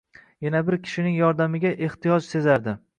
yana bir kishining yordamiga extiyoj sezardi.